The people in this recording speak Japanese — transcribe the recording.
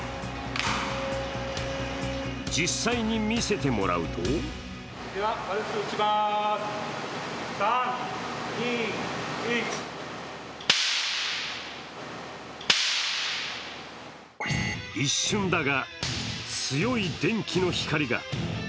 実際に見せてもらうと一瞬だが、強い電気の光が。